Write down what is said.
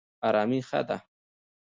ارامي ښه ده.